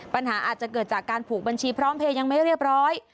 ปัญหาอาจจะเกิดจากการผูกบัญชีพร้อมเพลย์ยังไม่เรียบร้อย